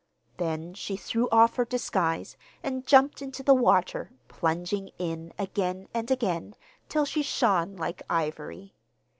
Then she threw off her disguise and jumped into the water, plunging in again and again, till she shone like ivory.